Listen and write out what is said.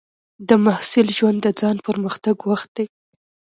د محصل ژوند د ځان پرمختګ وخت دی.